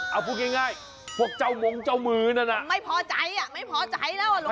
เฮ้ยพูดง่ายพวกเจ้ามงเจ้ามือนั่นไม่พอใจไม่พอใจแล้วหลวงปู